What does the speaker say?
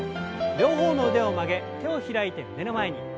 両方の腕を曲げ手を開いて胸の前に。